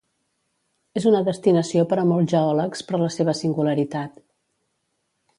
És una destinació per a molts geòlegs per la seva singularitat.